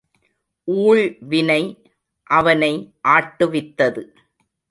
ஊழ்வினை அவனை ஆட்டுவித்தது.